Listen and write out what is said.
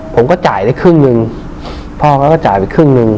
ผมก็จ่ายได้ครึ่งหนึ่งพ่อเขาก็จ่ายไปครึ่งหนึ่ง